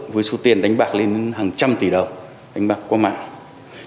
với số tiền đánh bạc lên hàng trăm tỷ đồng đánh bạc qua mạng